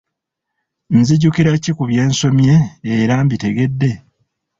Nzijukira ki ku bye nsomye era mbitegedde?